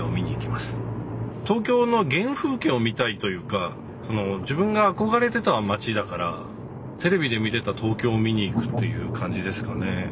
東京の原風景を見たいというか自分が憧れてた町だからテレビで見てた東京を見に行くっていう感じですかね。